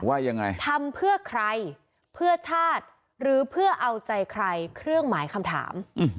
ว่ายังไงทำเพื่อใครเพื่อชาติหรือเพื่อเอาใจใครเครื่องหมายคำถาม